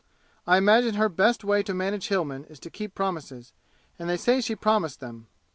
I imagine her best way to manage Hillmen is to keep promises, and they say she promised them.